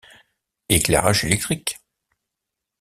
Éclairage électrique.